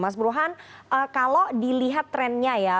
mas burhan kalau dilihat trennya ya